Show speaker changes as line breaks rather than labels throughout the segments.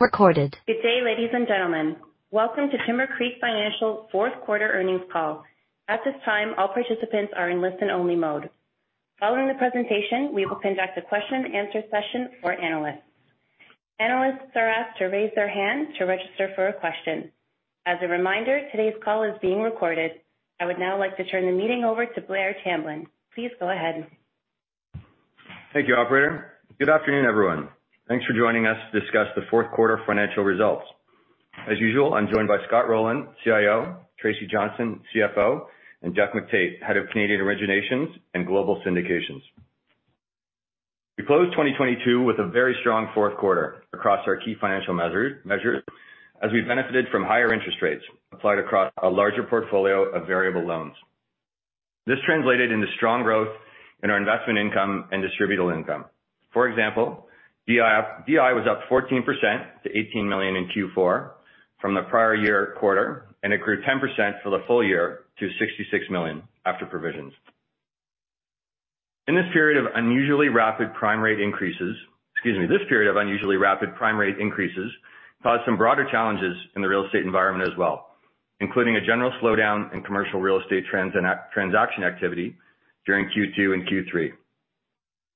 Recorded. Good day, ladies and gentlemen. Welcome to Timbercreek Financial fourth quarter earnings call. At this time, all participants are in listen-only mode. Following the presentation, we will conduct a question and answer session for analysts. Analysts are asked to raise their hand to register for a question. As a reminder, today's call is being recorded. I would now like to turn the meeting over to Blair Tamblyn. Please go ahead.
Thank you, operator. Good afternoon, everyone. Thanks for joining us to discuss the fourth quarter financial results. As usual, I'm joined by Scott Rowland, CIO, Tracy Johnston, CFO, and Geoff McTait, Head of Canadian Originations and Global Syndications. We closed 2022 with a very strong fourth quarter across our key financial measures as we benefited from higher interest rates applied across a larger portfolio of variable loans. This translated into strong growth in our investment income and distributable income. For example, DI was up 14% to 18 million in Q4 from the prior year quarter and accrued 10% for the full year to 66 million after provisions. In this period of unusually rapid prime rate increases… Excuse me. This period of unusually rapid prime rate increases caused some broader challenges in the real estate environment as well, including a general slowdown in commercial real estate transaction activity during Q2 and Q3.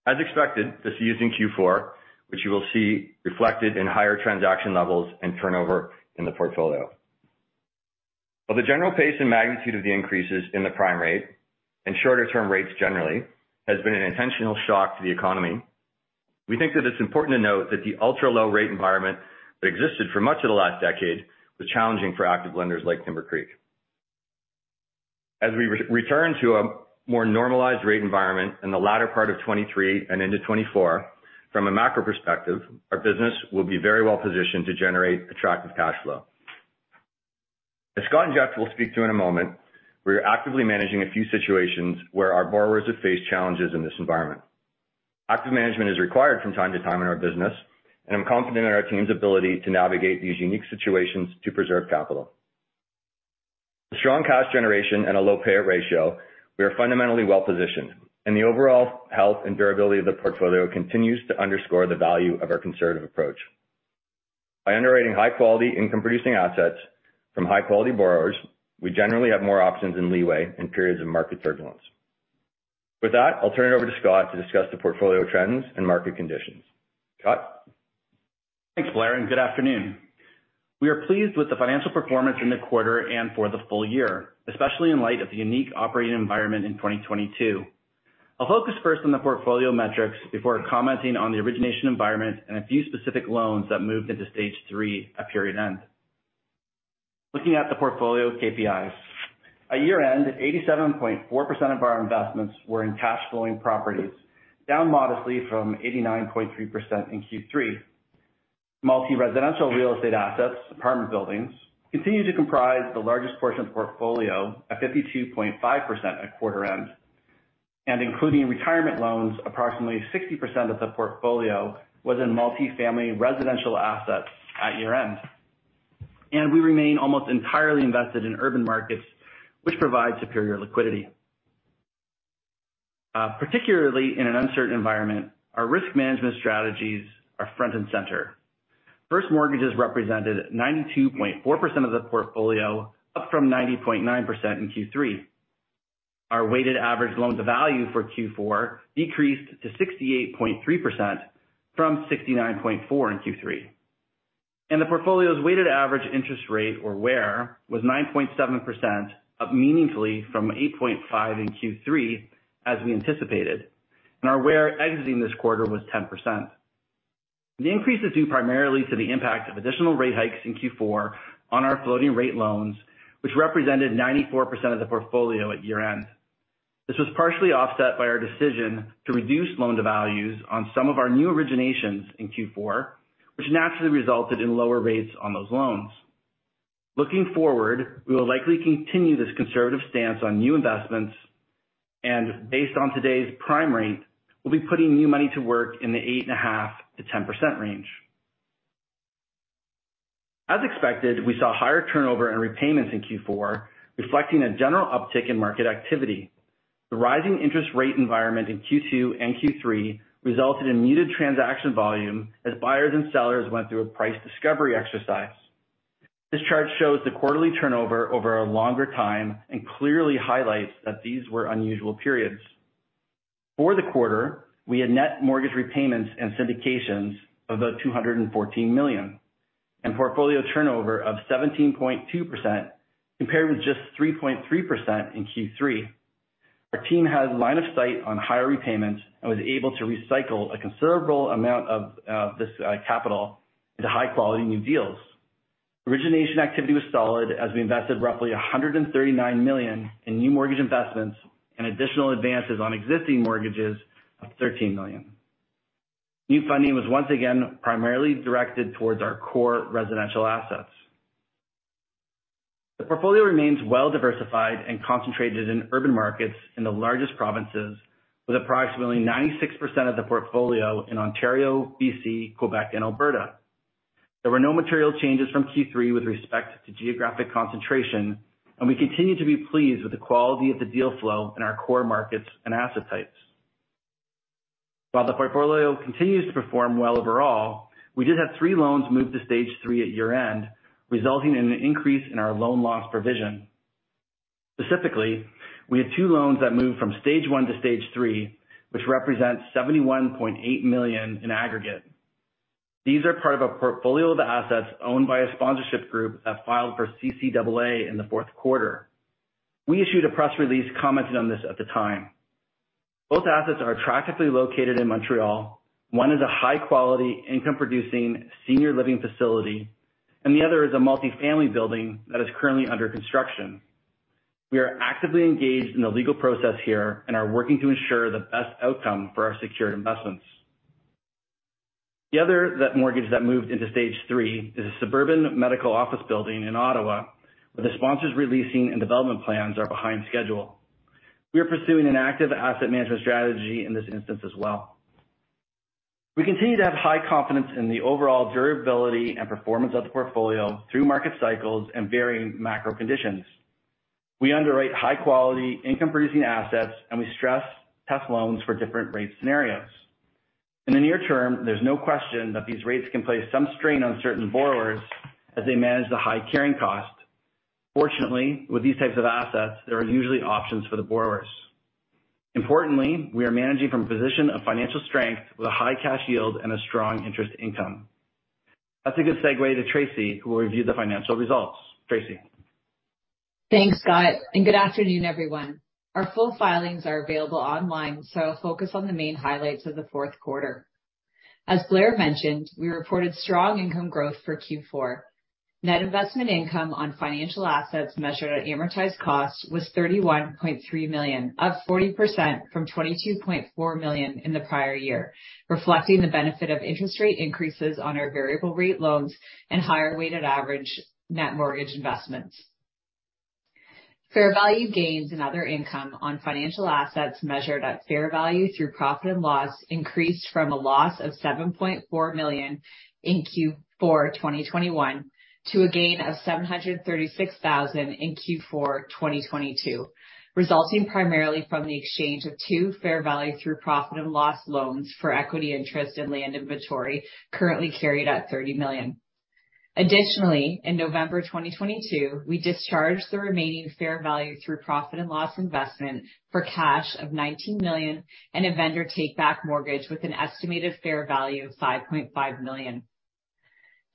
As expected, this eased in Q4, which you will see reflected in higher transaction levels and turnover in the portfolio. While the general pace and magnitude of the increases in the prime rate and shorter-term rates generally has been an intentional shock to the economy, we think that it's important to note that the ultra-low rate environment that existed for much of the last decade was challenging for active lenders like Timbercreek. As we return to a more normalized rate environment in the latter part of 2023 and into 2024, from a macro perspective, our business will be very well positioned to generate attractive cash flow. As Scott and Geoff will speak to in a moment, we are actively managing a few situations where our borrowers have faced challenges in this environment. Active management is required from time to time in our business, and I'm confident in our team's ability to navigate these unique situations to preserve capital. With strong cash generation and a low payout ratio, we are fundamentally well-positioned, and the overall health and durability of the portfolio continues to underscore the value of our conservative approach. By underwriting high-quality income-producing assets from high-quality borrowers, we generally have more options and leeway in periods of market turbulence. With that, I'll turn it over to Scott to discuss the portfolio trends and market conditions. Scott?
Thanks, Blair. Good afternoon. We are pleased with the financial performance in the quarter and for the full year, especially in light of the unique operating environment in 2022. I'll focus first on the portfolio metrics before commenting on the origination environment and a few specific loans that moved into Stage 3 at period end. Looking at the portfolio KPIs. At year-end, 87.4% of our investments were in cash flowing properties, down modestly from 89.3% in Q3. Multi-residential real estate assets, apartment buildings, continue to comprise the largest portion of the portfolio at 52.5% at quarter end. Including retirement loans, approximately 60% of the portfolio was in multifamily residential assets at year-end. We remain almost entirely invested in urban markets, which provide superior liquidity. Particularly in an uncertain environment, our risk management strategies are front and center. First mortgages represented 92.4% of the portfolio, up from 90.9% in Q3. Our weighted average loan to value for Q4 decreased to 68.3% from 69.4% in Q3. The portfolio's weighted average interest rate, or WAIR, was 9.7%, up meaningfully from 8.5% in Q3, as we anticipated. Our WAIR exiting this quarter was 10%. The increase is due primarily to the impact of additional rate hikes in Q4 on our floating rate loans, which represented 94% of the portfolio at year-end. This was partially offset by our decision to reduce loan to values on some of our new originations in Q4, which naturally resulted in lower rates on those loans. Looking forward, we will likely continue this conservative stance on new investments, based on today's prime rate, we'll be putting new money to work in the 8.5%-10% range. As expected, we saw higher turnover and repayments in Q4, reflecting a general uptick in market activity. The rising interest rate environment in Q2 and Q3 resulted in muted transaction volume as buyers and sellers went through a price discovery exercise. This chart shows the quarterly turnover over a longer time and clearly highlights that these were unusual periods. For the quarter, we had net mortgage repayments and syndications of about 214 million, and portfolio turnover of 17.2% compared with just 3.3% in Q3. Our team has line of sight on higher repayments and was able to recycle a considerable amount of this capital into high-quality new deals. Origination activity was solid as we invested roughly 139 million in new mortgage investments and additional advances on existing mortgages of 13 million. New funding was once again primarily directed towards our core residential assets. The portfolio remains well-diversified and concentrated in urban markets in the largest provinces, with approximately 96% of the portfolio in Ontario, BC, Quebec and Alberta. There were no material changes from Q3 with respect to geographic concentration, and we continue to be pleased with the quality of the deal flow in our core markets and asset types. While the portfolio continues to perform well overall, we did have three loans move to Stage 3 at year-end, resulting in an increase in our loan loss provision. Specifically, we had two loans that moved from Stage 1 to Stage 3, which represents 71.8 million in aggregate. These are part of a portfolio of assets owned by a sponsorship group that filed for CCAA in the fourth quarter. We issued a press release commenting on this at the time. Both assets are attractively located in Montréal. One is a high-quality income-producing senior living facility, and the other is a multifamily building that is currently under construction. We are actively engaged in the legal process here and are working to ensure the best outcome for our secured investments. The other mortgage that moved into Stage 3 is a suburban medical office building in Ottawa, where the sponsors re-leasing and development plans are behind schedule. We are pursuing an active asset management strategy in this instance as well. We continue to have high confidence in the overall durability and performance of the portfolio through market cycles and varying macro conditions. We underwrite high quality income-producing assets and we stress test loans for different rate scenarios. In the near term, there's no question that these rates can place some strain on certain borrowers as they manage the high carrying cost. Fortunately, with these types of assets, there are usually options for the borrowers. Importantly, we are managing from a position of financial strength with a high cash yield and a strong interest income. That's a good segue to Tracy, who will review the financial results. Tracy.
Thanks, Scott. Good afternoon, everyone. Our full filings are available online. I'll focus on the main highlights of the fourth quarter. As Blair mentioned, we reported strong income growth for Q4. Net investment income on financial assets measured at amortized cost was 31.3 million, up 40% from 22.4 million in the prior year, reflecting the benefit of interest rate increases on our variable rate loans and higher weighted average net mortgage investments. Fair value gains and other income on financial assets measured at fair value through profit and loss increased from a loss of 7.4 million in Q4 2021 to a gain of 736,000 in Q4 2022, resulting primarily from the exchange of two fair value through profit and loss loans for equity interest in land inventory currently carried at 30 million. In November 2022, we discharged the remaining fair value through profit and loss investment for cash of CAD 19 million and a vendor take-back mortgage with an estimated fair value of CAD 5.5 million.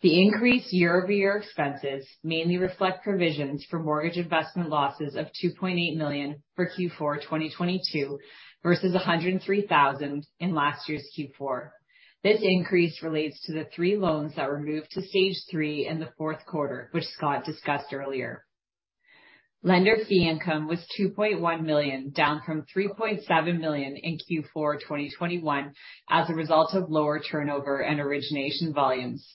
The increased year-over-year expenses mainly reflect provisions for mortgage investment losses of 2.8 million for Q4 2022 versus 103,000 in last year's Q4. This increase relates to the three loans that were moved to Stage 3 in the fourth quarter, which Scott discussed earlier. Lender fee income was 2.1 million, down from 3.7 million in Q4 2021 as a result of lower turnover and origination volumes.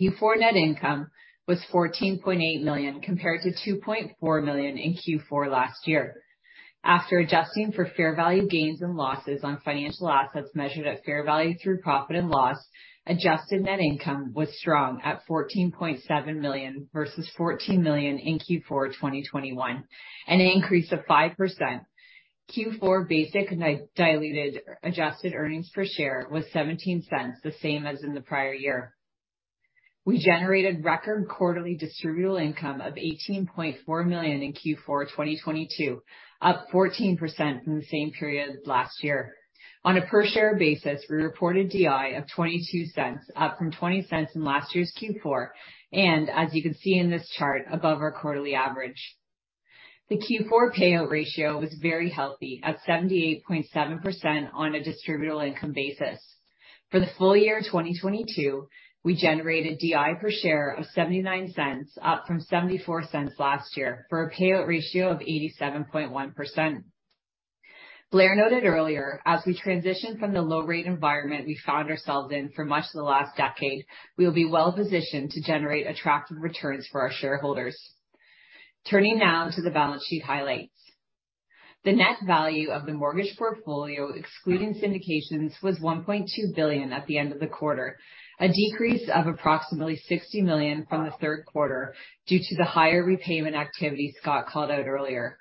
Q4 net income was 14.8 million compared to 2.4 million in Q4 last year. After adjusting for fair value gains and losses on financial assets measured at fair value through profit and loss, adjusted net income was strong at 14.7 million versus 14 million in Q4 2021, an increase of 5%. Q4 basic and diluted adjusted earnings per share was 0.17, the same as in the prior year. We generated record quarterly distributable income of 18.4 million in Q4 2022, up 14% from the same period last year. On a per-share basis, we reported DI of 0.22, up from 0.20 in last year's Q4, and as you can see in this chart, above our quarterly average. The Q4 payout ratio was very healthy at 78.7% on a distributable income basis. For the full year 2022, we generated DI per share of 0.79, up from 0.74 last year, for a payout ratio of 87.1%. Blair noted earlier, as we transition from the low rate environment we found ourselves in for much of the last decade, we will be well-positioned to generate attractive returns for our shareholders. Turning now to the balance sheet highlights. The net value of the mortgage portfolio, excluding syndications, was 1.2 billion at the end of the quarter, a decrease of approximately 60 million from the third quarter due to the higher repayment activity Scott called out earlier.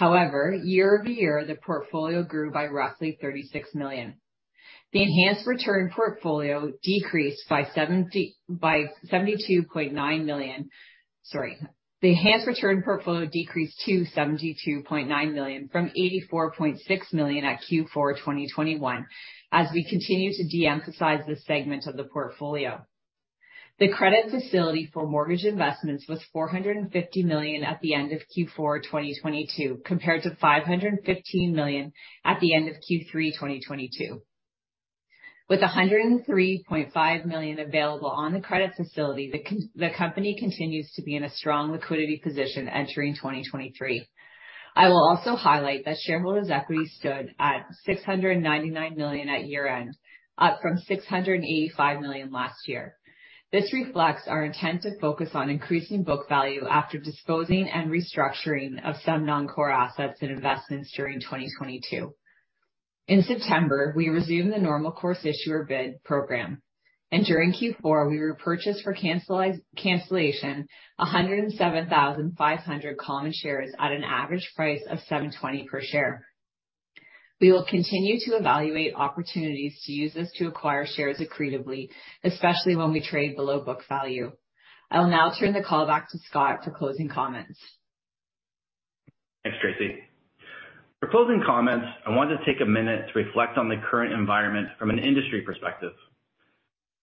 Year-over-year, the portfolio grew by roughly 36 million. The enhanced return portfolio decreased by 72.9 million. Sorry. The enhanced return portfolio decreased to 72.9 million from 84.6 million at Q4 2021 as we continue to de-emphasize this segment of the portfolio. The credit facility for mortgage investments was 450 million at the end of Q4 2022, compared to 515 million at the end of Q3 2022. With 103.5 million available on the credit facility, the company continues to be in a strong liquidity position entering 2023. I will also highlight that shareholders' equity stood at 699 million at year-end, up from 685 million last year. This reflects our intensive focus on increasing book value after disposing and restructuring of some non-core assets and investments during 2022. In September, we resumed the normal course issuer bid program. During Q4, we repurchased for cancellation 107,500 common shares at an average price of 7.20 per share. We will continue to evaluate opportunities to use this to acquire shares accretively, especially when we trade below book value. I will now turn the call back to Scott for closing comments.
Thanks, Tracy. For closing comments, I wanted to take a minute to reflect on the current environment from an industry perspective.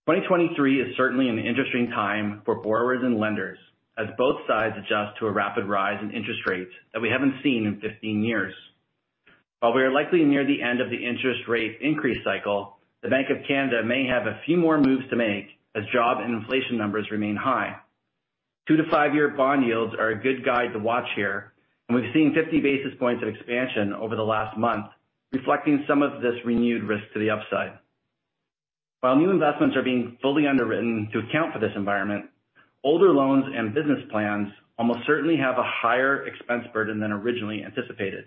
2023 is certainly an interesting time for borrowers and lenders as both sides adjust to a rapid rise in interest rates that we haven't seen in 15 years. While we are likely near the end of the interest rate increase cycle, the Bank of Canada may have a few more moves to make as job and inflation numbers remain high. Two-five-years bond yields are a good guide to watch here, and we've seen 50 basis points of expansion over the last month, reflecting some of this renewed risk to the upside. While new investments are being fully underwritten to account for this environment, older loans and business plans almost certainly have a higher expense burden than originally anticipated.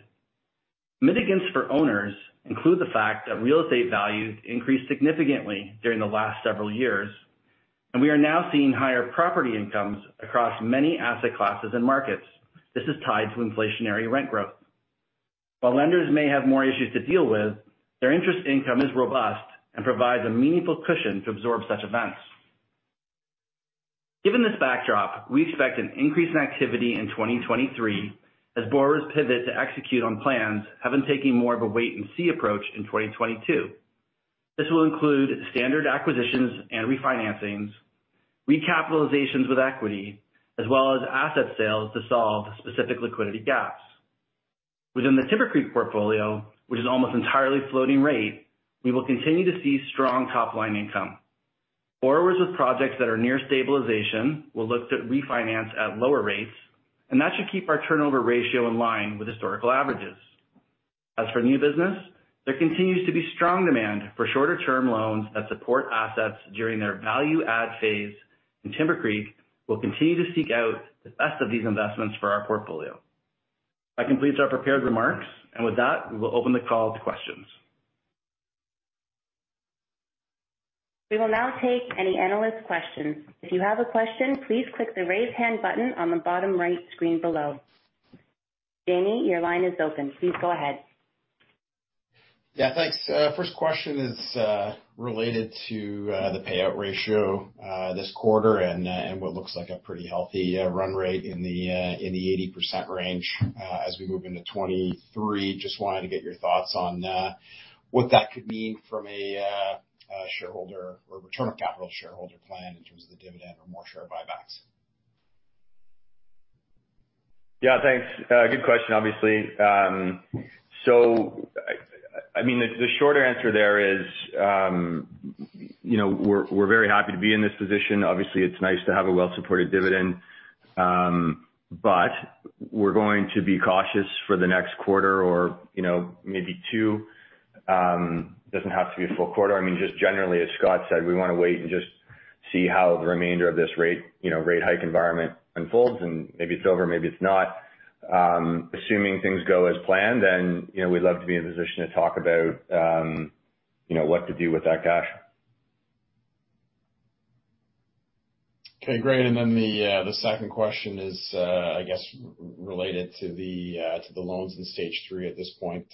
Mitigants for owners include the fact that real estate values increased significantly during the last several years, and we are now seeing higher property incomes across many asset classes and markets. This is tied to inflationary rent growth. While lenders may have more issues to deal with, their interest income is robust and provides a meaningful cushion to absorb such events. Given this backdrop, we expect an increase in activity in 2023 as borrowers pivot to execute on plans, having taken more of a wait-and-see approach in 2022. This will include standard acquisitions and refinancings, recapitalizations with equity, as well as asset sales to solve specific liquidity gaps. Within the Timbercreek portfolio, which is almost entirely floating rate, we will continue to see strong top-line income. Borrowers with projects that are near stabilization will look to refinance at lower rates, and that should keep our turnover ratio in line with historical averages. As for new business, there continues to be strong demand for shorter-term loans that support assets during their value add phase, and Timbercreek will continue to seek out the best of these investments for our portfolio. That completes our prepared remarks. With that, we will open the call to questions.
We will now take any analyst questions. If you have a question, please click the Raise Hand button on the bottom right screen below. Jamie, your line is open. Please go ahead.
Yeah, thanks. First question is related to the payout ratio this quarter and what looks like a pretty healthy run rate in the 80% range as we move into 2023. Just wanted to get your thoughts on what that could mean from a shareholder or return of capital shareholder plan in terms of the dividend or more share buybacks?
Yeah, thanks. Good question, obviously. I mean, the shorter answer there is, you know, we're very happy to be in this position. Obviously, it's nice to have a well-supported dividend. We're going to be cautious for the next quarter or, you know, maybe two. Doesn't have to be a full quarter. I mean, just generally, as Scott said, we wanna wait and just see how the remainder of this rate hike environment unfolds, and maybe it's over, maybe it's not. Assuming things go as planned, you know, we'd love to be in a position to talk about, you know, what to do with that cash.
Okay, great. The second question is, I guess related to the loans in Stage 3 at this point.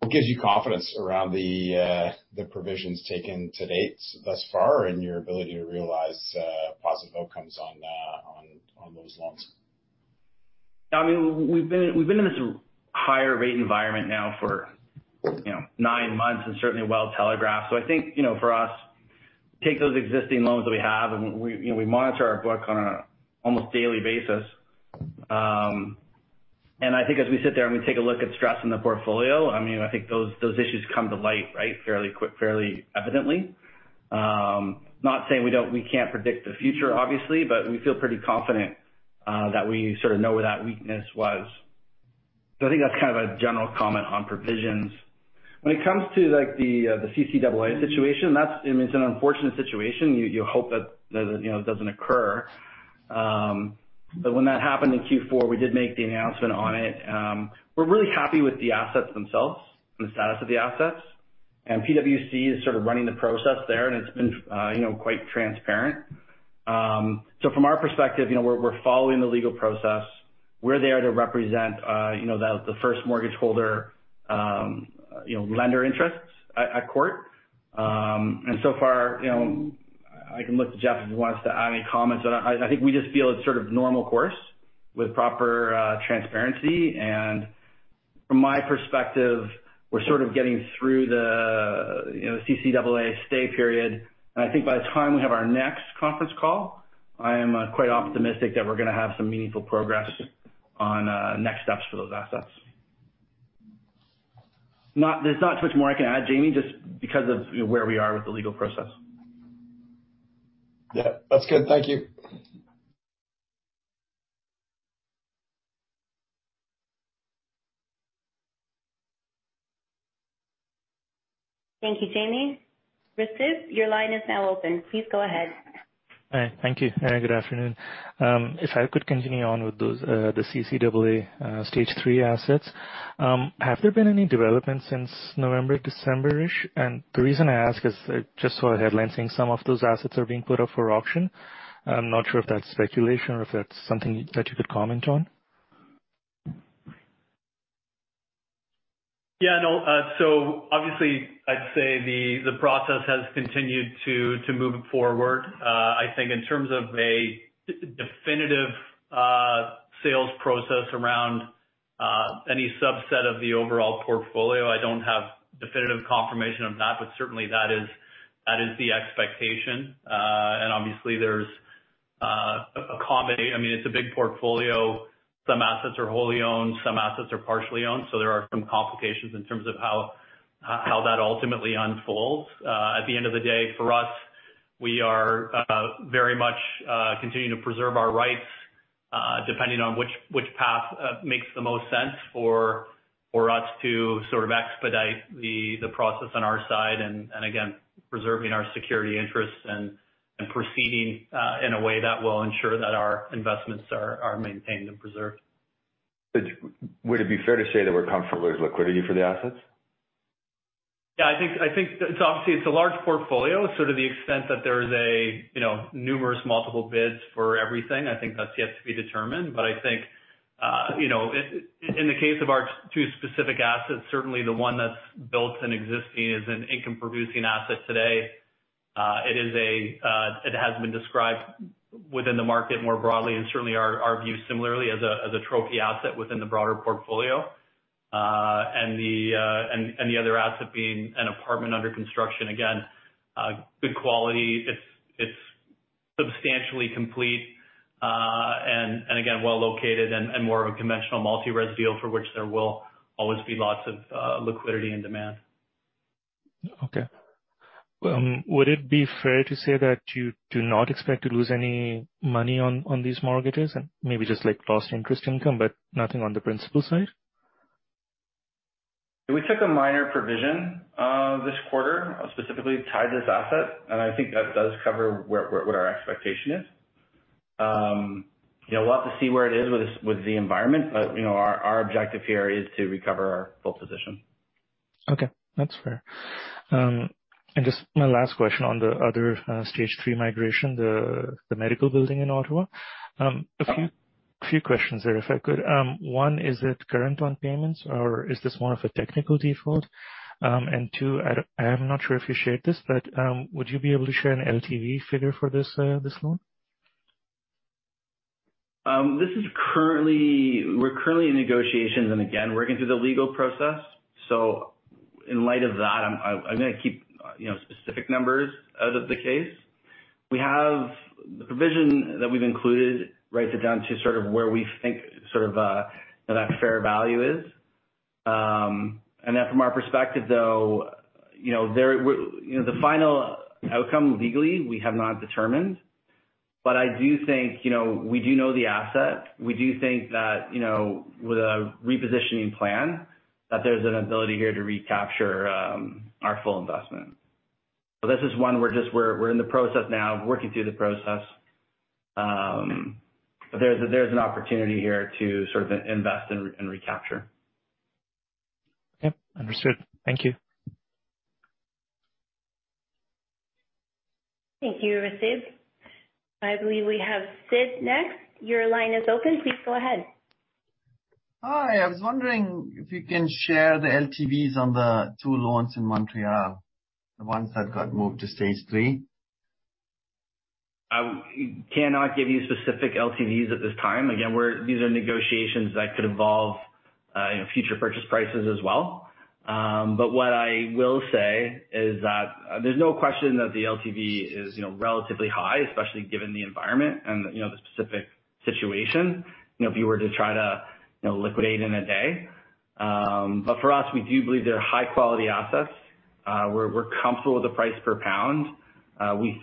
What gives you confidence around the provisions taken to date thus far, and your ability to realize positive outcomes on those loans?
I mean, we've been in this higher rate environment now for, you know, nine months, and certainly well telegraphed. I think, you know, for us, take those existing loans that we have and we, you know, we monitor our book on a almost daily basis. I think as we sit there and we take a look at stress in the portfolio, I mean, I think those issues come to light, right? Fairly quick, fairly evidently. Not saying we can't predict the future, obviously, but we feel pretty confident that we sort of know where that weakness was. I think that's kind of a general comment on provisions. When it comes to, like, the CCAA situation, that's, I mean, it's an unfortunate situation. You hope that, you know, it doesn't occur. When that happened in Q4, we did make the announcement on it. We're really happy with the assets themselves and the status of the assets. PwC is sort of running the process there, and it's been, you know, quite transparent. From our perspective, you know, we're following the legal process. We're there to represent, you know, the first mortgage holder, lender interests at court. So far, you know, I can look to Geoff if he wants to add any comments. I think we just feel it's sort of normal course with proper transparency. From my perspective, we're sort of getting through the, you know, CCAA stay period. I think by the time we have our next conference call, I am quite optimistic that we're gonna have some meaningful progress on next steps for those assets. There's not too much more I can add, Jamie, just because of where we are with the legal process.
Yeah. That's good. Thank you.
Thank you, Jamie. Rasib, your line is now open. Please go ahead.
Hi. Thank you. Good afternoon. If I could continue on with those, the CCAA Stage 3 assets. Have there been any developments since November, December-ish? The reason I ask is I just saw a headline saying some of those assets are being put up for auction. I'm not sure if that's speculation or if that's something that you could comment on.
Yeah, no. Obviously, I'd say the process has continued to move forward. I think in terms of a definitive sales process around any subset of the overall portfolio, I don't have definitive confirmation of that, but certainly that is the expectation. Obviously there's a [complexity]. I mean, it's a big portfolio. Some assets are wholly owned, some assets are partially owned. There are some complications in terms of how that ultimately unfolds. At the end of the day, for us, we are very much continuing to preserve our rights, depending on which path makes the most sense for us to sort of expedite the process on our side and again, preserving our security interests and proceeding in a way that will ensure that our investments are maintained and preserved.
Would it be fair to say that we're comfortable there's liquidity for the assets?
Yeah, I think it's obviously a large portfolio. To the extent that there is a, you know, numerous multiple bids for everything, I think that's yet to be determined. I think, you know, in the case of our two specific assets, certainly the one that's built and existing is an income producing asset today. It is, it has been described within the market more broadly and certainly our view similarly as a, as a trophy asset within the broader portfolio, and the other asset being an apartment under construction. Again, good quality. It's substantially complete, and again, well located and more of a conventional multi-res deal for which there will always be lots of liquidity and demand.
Would it be fair to say that you do not expect to lose any money on these mortgages and maybe just like lost interest income, but nothing on the principal side?
We took a minor provision, this quarter, specifically tied this asset. I think that does cover where what our expectation is. Yeah, we'll have to see where it is with the environment. You know, our objective here is to recover our full position.
Okay. That's fair. Just my last question on the other, Stage 3 migration, the medical building in Ottawa. A few questions there, if I could. One, is it current on payments or is this more of a technical default? Two, I am not sure if you shared this, but, would you be able to share an LTV figure for this loan?
We're currently in negotiations and again, working through the legal process. In light of that, I'm gonna keep, you know, specific numbers out of the case. We have the provision that we've included right down to sort of where we think sort of, that fair value is. And then from our perspective, though, you know, the final outcome legally, we have not determined. I do think, you know, we do know the asset. We do think that, you know, with a repositioning plan, that there's an ability here to recapture, our full investment. This is one we're in the process now. We're working through the process. But there's an opportunity here to sort of invest and recapture.
Okay. Understood. Thank you.
Thank you, Rasib. I believe we have Sid next. Your line is open. Please go ahead.
Hi. I was wondering if you can share the LTVs on the 2 loans in Montréal, the ones that got moved to Stage 3?
I cannot give you specific LTVs at this time. Again, these are negotiations that could involve, you know, future purchase prices as well. What I will say is that there's no question that the LTV is, you know, relatively high, especially given the environment and, you know, the specific situation, you know, if you were to try to, you know, liquidate in one day. For us, we do believe they're high quality assets. We're comfortable with the price per pound.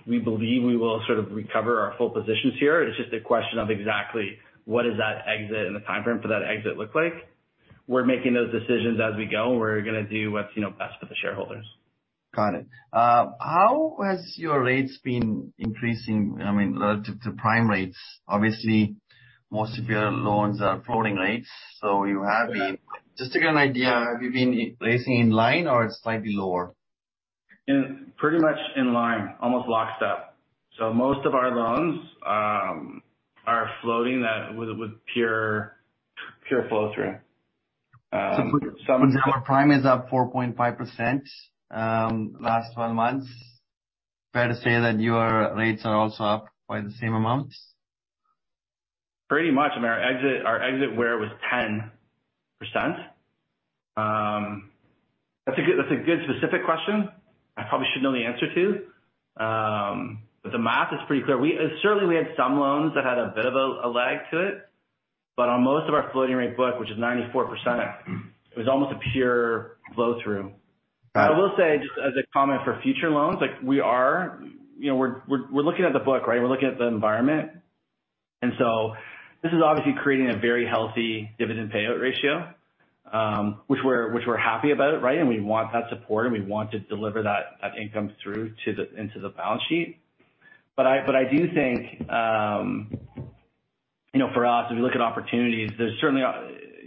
We believe we will sort of recover our full positions here. It's just a question of exactly what does that exit and the timeframe for that exit look like. We're making those decisions as we go, and we're gonna do what's, you know, best for the shareholders.
Got it. How has your rates been increasing, I mean, relative to prime rates? Obviously, most of your loans are floating rates, so you have been. Just to get an idea, have you been raising in line or slightly lower?
Pretty much in line, almost locked up. Most of our loans are floating that with pure flow-through.
Prime is up 4.5%, last 12 months. Fair to say that your rates are also up by the same amounts?
Pretty much. I mean, our exit where was 10%. That's a good specific question I probably should know the answer to. The math is pretty clear. Certainly we had some loans that had a bit of a lag to it, but on most of our floating rate book, which is 94%, it was almost a pure flow-through.
Got it.
I will say, just as a comment for future loans, like we are, you know, we're looking at the book, right? We're looking at the environment. So this is obviously creating a very healthy dividend payout ratio, which we're happy about it, right. We want that support, and we want to deliver that income through into the balance sheet. I do think, you know, for us, as we look at opportunities, there's certainly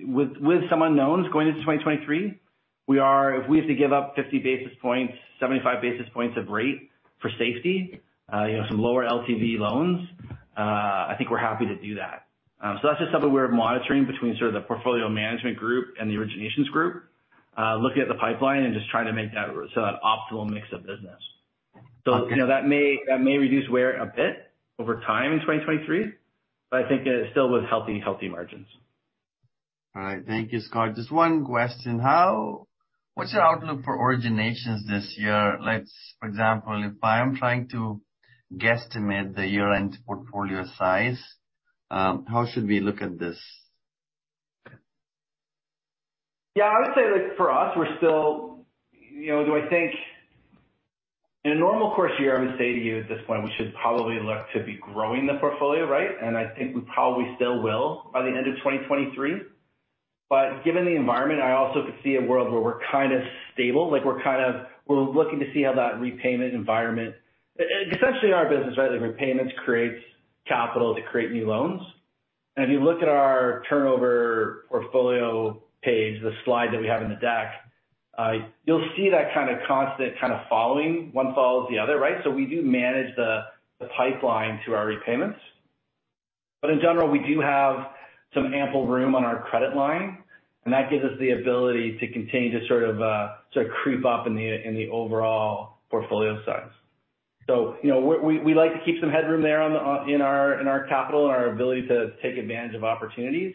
With some unknowns going into 2023, we are If we have to give up 50 basis points, 75 basis points of rate for safety, you know, some lower LTV loans, I think we're happy to do that. That's just something we're monitoring between sort of the portfolio management group and the originations group, looking at the pipeline and just trying to make that optimal mix of business. You know, that may reduce WAIR a bit over time in 2023, but I think it still with healthy margins.
All right. Thank you, Scott. Just one question. What's your outlook for originations this year? For example, if I'm trying to guesstimate the year-end portfolio size, how should we look at this?
I would say, like, for us, we're still. You know, in a normal course year, I would say to you at this point, we should probably look to be growing the portfolio, right? I think we probably still will by the end of 2023. Given the environment, I also could see a world where we're kind of stable. Like, we're kind of looking to see how that repayment environment. Essentially our business, right? Like, repayments creates capital to create new loans. If you look at our turnover portfolio page, the slide that we have in the deck, you'll see that kind of constant kind of following. One follows the other, right? We do manage the pipeline to our repayments. In general, we do have some ample room on our credit line, and that gives us the ability to continue to sort of creep up in the, in the overall portfolio size. You know, we like to keep some headroom there on the in our capital and our ability to take advantage of opportunities.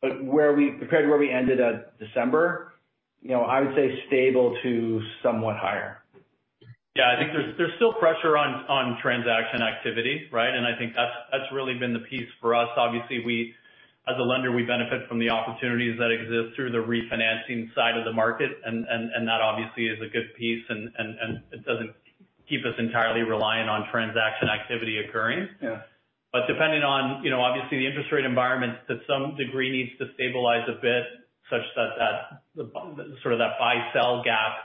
Compared to where we ended at December, you know, I would say stable to somewhat higher.
Yeah. I think there's still pressure on transaction activity, right? I think that's really been the piece for us. Obviously, we, as a lender, we benefit from the opportunities that exist through the refinancing side of the market. That obviously is a good piece and it doesn't keep us entirely reliant on transaction activity occurring.
Yeah.
Depending on, you know, obviously the interest rate environment to some degree needs to stabilize a bit such that sort of that buy/sell gap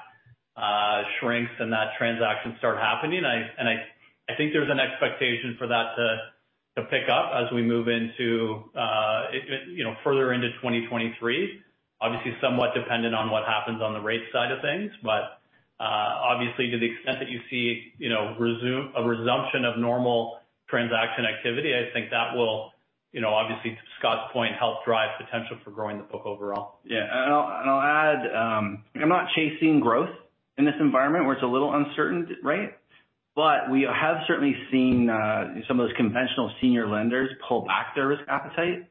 shrinks and that transactions start happening. I, and I think there's an expectation for that to pick up as we move into, you know, further into 2023. Obviously, somewhat dependent on what happens on the rate side of things. Obviously to the extent that you see, you know, a resumption of normal transaction activity, I think that will, you know, obviously to Scott's point, help drive potential for growing the book overall.
Yeah. I'll add, I'm not chasing growth in this environment where it's a little uncertain, right? We have certainly seen some of those conventional senior lenders pull back their risk appetite,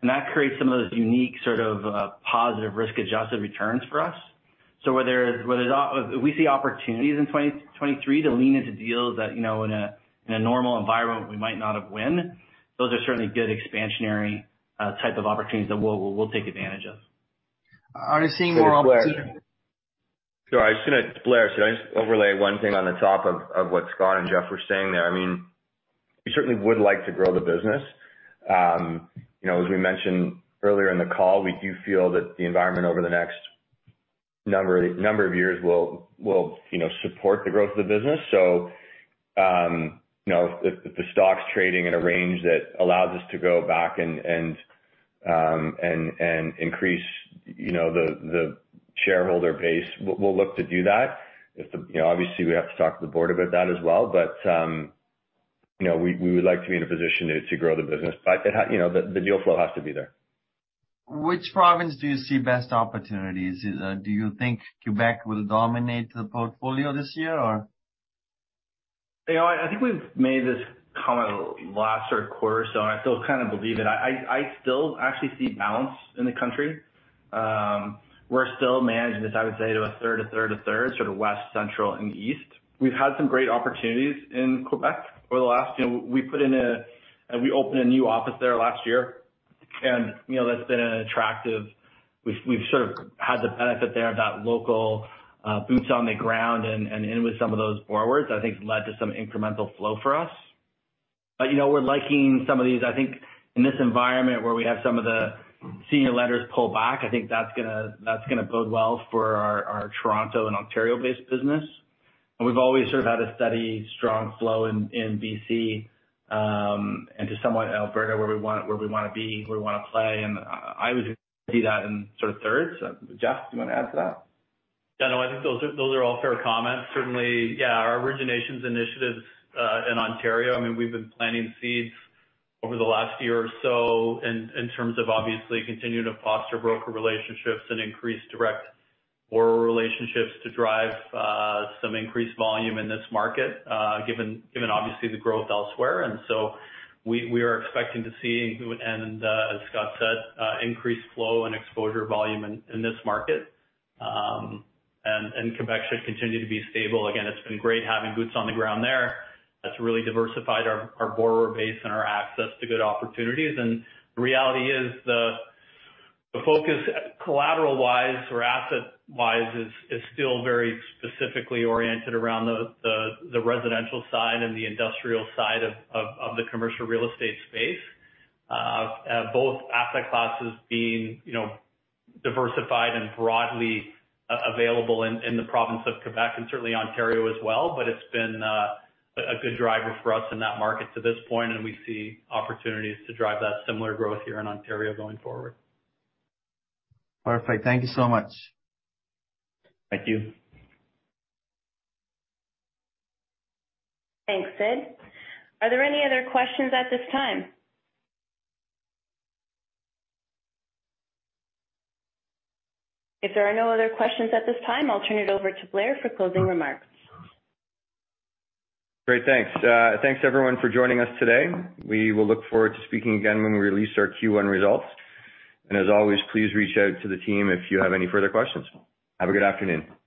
and that creates some of those unique sort of positive risk-adjusted returns for us. Whether or not we see opportunities in 2023 to lean into deals that, you know, in a normal environment we might not have win. Those are certainly good expansionary type of opportunities that we'll take advantage of.
Are you seeing more opportunities?
Sorry, Blair. Sorry, Blair, should I just overlay one thing on the top of what Scott and Geoff were saying there? I mean, we certainly would like to grow the business. You know, as we mentioned earlier in the call, we do feel that the environment over the next number of years will, you know, support the growth of the business. You know, if the stock's trading in a range that allows us to go back and increase, you know, the shareholder base, we'll look to do that. You know, obviously we have to talk to the board about that as well. You know, we would like to be in a position to grow the business. You know, the deal flow has to be there.
Which province do you see best opportunities? Do you think Quebec will dominate the portfolio this year or?
You know, I think we've made this comment last sort of quarter. I still actually see balance in the country. We're still managing this, I would say, to a third, a third, a third, sort of west, central, and east. We've had some great opportunities in Quebec over the last, you know... We opened a new office there last year. You know, that's been an attractive... We've sort of had the benefit there of that local boots on the ground and in with some of those borrowers. I think it's led to some incremental flow for us. You know, we're liking some of these. I think in this environment where we have some of the senior lenders pull back, I think that's gonna bode well for our Toronto and Ontario-based business. We've always sort of had a steady, strong flow in BC, and to somewhat Alberta, where we want, where we wanna be, where we wanna play. I would see that in sort of thirds. Geoff, do you wanna add to that?
Yeah, no, I think those are all fair comments. Certainly, yeah, our originations initiatives in Ontario, I mean, we've been planting seeds over the last year or so in terms of obviously continuing to foster broker relationships and increase direct borrower relationships to drive some increased volume in this market, given obviously the growth elsewhere. We are expecting to see and as Scott said, increased flow and exposure volume in this market. Quebec should continue to be stable. Again, it's been great having boots on the ground there. That's really diversified our borrower base and our access to good opportunities. The reality is the focus collateral-wise or asset-wise is still very specifically oriented around the residential side and the industrial side of the commercial real estate space. Both asset classes being, you know, diversified and broadly available in the province of Quebec and certainly Ontario as well. It's been a good driver for us in that market to this point, and we see opportunities to drive that similar growth here in Ontario going forward.
Perfect. Thank you so much.
Thank you.
Thanks, Sid. Are there any other questions at this time? If there are no other questions at this time, I'll turn it over to Blair for closing remarks.
Great. Thanks. Thanks everyone for joining us today. We will look forward to speaking again when we release our Q1 results. As always, please reach out to the team if you have any further questions. Have a good afternoon.